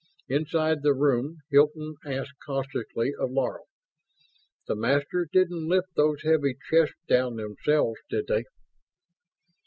Inside the room Hilton asked caustically of Laro: "The Masters didn't lift those heavy chests down themselves, did they?"